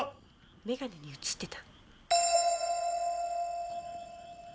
眼鏡に映ってた。